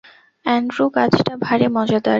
Andrew, কাজটা ভারি মজাদার।